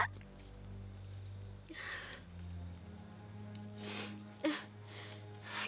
aku tau aku tau